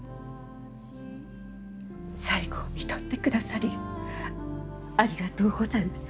最期をみとってくださりありがとうございます。